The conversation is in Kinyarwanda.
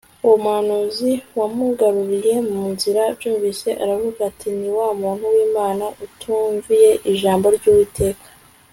Uwo muhanuzi wamugaruriye mu nzira abyumvise aravuga ati Ni wa muntu wImana utumviye ijambo ryUwiteka